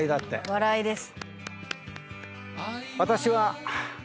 笑いです。